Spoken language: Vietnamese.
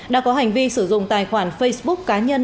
đã có hành vi sử dụng tài khoản facebook cá nhân